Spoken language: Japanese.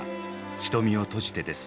「瞳をとじて」です。